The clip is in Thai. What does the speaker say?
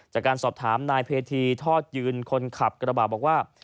จากการสอบถามนายเพธีทอดยืนคนขับกระบาดบอกว่า